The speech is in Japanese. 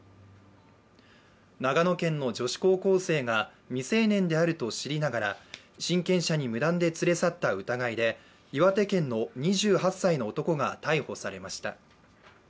長野県の女子高校生が未成年であると知りながら親権者に無断で連れ去った疑いで岩手県の２８歳の男が逮捕されました。